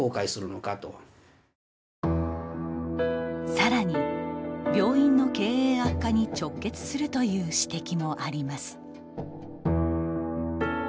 さらに、病院の経営悪化に直結するという指摘もあります。